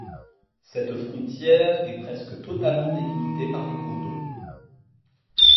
Cette frontière est presque totalement délimitée par des cours d'eau.